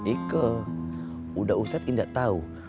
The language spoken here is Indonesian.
ike udah ustad indah tau